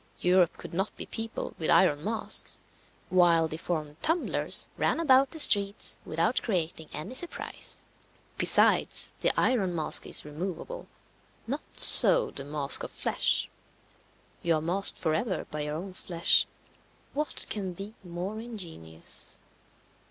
Europe could not be peopled with iron masks, while deformed tumblers ran about the streets without creating any surprise. Besides, the iron mask is removable; not so the mask of flesh. You are masked for ever by your own flesh what can be more ingenious?